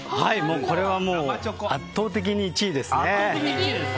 これはもう圧倒的に１位ですね。